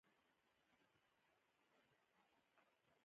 ګوندې خدای مو دعا قبوله کړي او باران راواوري.